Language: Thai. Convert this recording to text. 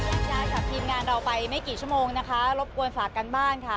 ถ้าอยากยากจากทีมงานไปไม่กี่ชั่วโมงนะคะรบกวนฝากกั้นบ้านค่ะ